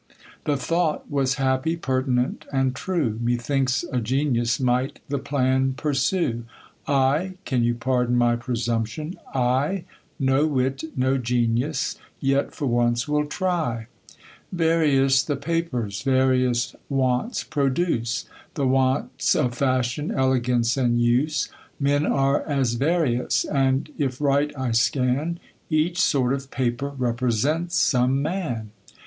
The thought was happy, pertinent, and true, Me thinks a genius might the plan pursue. I, (can you pardon my presumption ?) I, No wit, no genius, yet for once will try. Various I THE COLUMBIAN ORATOR. 47 Various the papers, various wants produce, The wants of fashion, elegance, and use. Men are as various : and, if right I scan, Each sort oi paper represents some man.